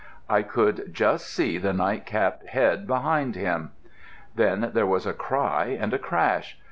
I could just see the nightcapped head behind him. Then there was a cry and a crash.